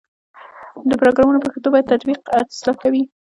پروګرامونه په ښه توګه تطبیق او اصلاح کوي.